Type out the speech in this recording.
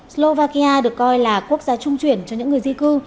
slovakia được coi là quốc gia trung chuyển cho những người di cư